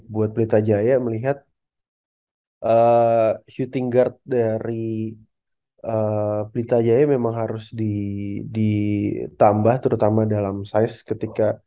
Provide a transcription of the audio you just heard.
buat pelita jaya melihat syuting guard dari pelita jaya memang harus ditambah terutama dalam size ketika